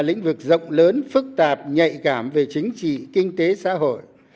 lĩnh vực rộng lớn phức tạp nhạy cảm về chính trị kinh tế xã hội